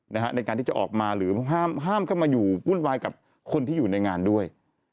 ในการที่จะออกมาหรือห้ามเข้ามาอยู่วุ่นวายกับคนที่อยู่ในงานด้วย